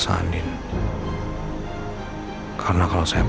nanti besok lanjut lagi